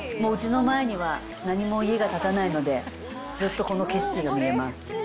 うちの前には何も家が建たないので、ずっとこの景色が見えます。